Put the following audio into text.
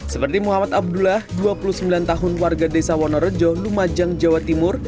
seperti muhammad abdullah dua puluh sembilan tahun warga desa wonorejo lumajang jawa timur